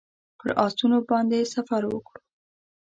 پر آسونو باندې سفر وکړو.